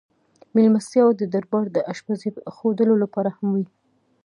مېلمستیاوې د دربار د اشپزۍ ښودلو لپاره هم وې.